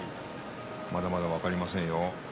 まだまだ分かりませんよ。